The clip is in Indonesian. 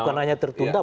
bukan hanya tertunda